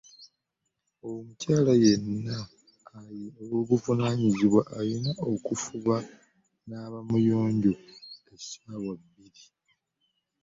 Omukyala yenna owobuvunanyizibwa alina okufuba okulaba nga aba muyonjo saawa bina.